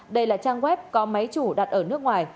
đây là trang web có máy chủ đặt ở nước ngoài